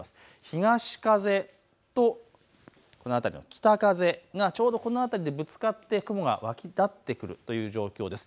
東風と北風がちょうどこの辺りでぶつかって雲が湧き立ってくるという状況です。